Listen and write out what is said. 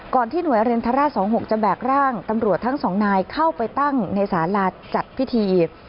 ที่หน่วยอรินทราช๒๖จะแบกร่างตำรวจทั้งสองนายเข้าไปตั้งในสาราจัดพิธี